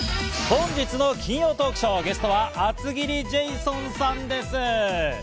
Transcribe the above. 本日の金曜トークショー、ゲストは厚切りジェイソンさんです。